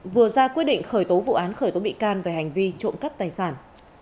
vừa ra quyết định khởi tố vụ án khởi tố bị can về hành vi trộm cắp tài sản